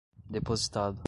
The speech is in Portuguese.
depositado